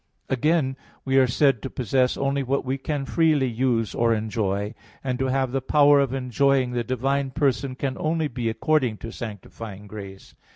Again, we are said to possess only what we can freely use or enjoy: and to have the power of enjoying the divine person can only be according to sanctifying grace.